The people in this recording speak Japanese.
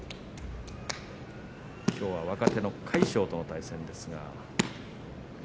きょうは若手の魁勝との対戦です。